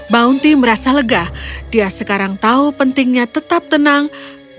bounty merasa lega dia sekarang tahu pentingnya tetap tenang dalam situasi ini